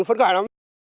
phấn khỏe lắm